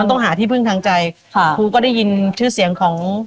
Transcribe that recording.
ต้องหาที่พึ่งทางใจค่ะครูก็ได้ยินชื่อเสียงของ